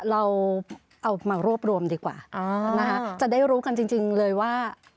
เราเอามารวบรวมดีกว่านะคะจะได้รู้กันจริงเลยว่า